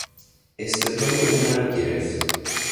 استدلال او مرا گرفت.